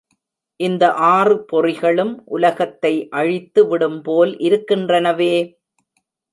இந்த ஆறு பொறிகளும் உலகத்தை அழித்து விடும்போல் இருக்கின்றனவே!